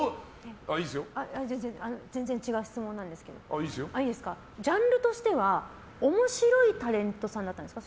全然違う質問なんですけどジャンルとしては面白いタレントさんだったんですか？